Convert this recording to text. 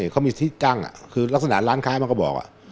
เขามีที่ตั้งคือลักษณะร้านค้ามันก็บอก